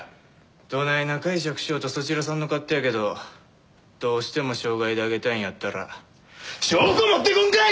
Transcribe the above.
どないな解釈しようとそちらさんの勝手やけどどうしても傷害で挙げたいんやったら証拠持ってこんかい！